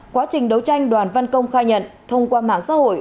quá trình đấu tranh đoàn văn công khai nhận thông qua mạng xã hội